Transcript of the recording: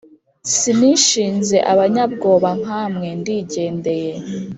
sinishinze abanyabwoba nkamwe ndigendeye